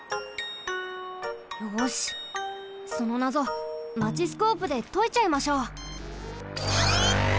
よしそのなぞマチスコープでといちゃいましょう。